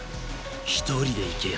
一人で行けよ。